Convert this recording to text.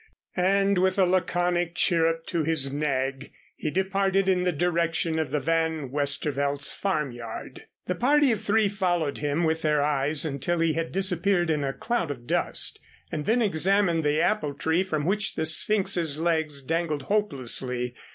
And with a laconic chirrup to his nag, he departed in the direction of the Van Westervelts' farmyard. The party of three followed him with their eyes until he had disappeared in a cloud of dust and then examined the apple tree from which the Sphynx's legs dangled hopelessly.